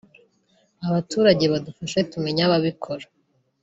Abaturage badufashe tumenye ababikora